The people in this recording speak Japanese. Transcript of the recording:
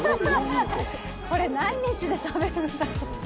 これ何日で食べるんだろう。